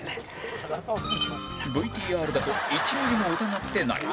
ＶＴＲ だと１ミリも疑ってない